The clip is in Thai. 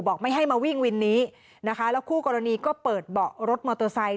ไม่ให้มาวิ่งวินนี้นะคะแล้วคู่กรณีก็เปิดเบาะรถมอเตอร์ไซค